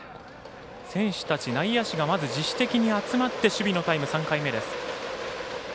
選手たち内野手たちが自主的に集まって守備のタイム、３回目です。